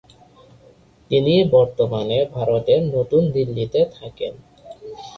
তিনি বর্তমানে ভারতের নতুন দিল্লিতে থাকেন।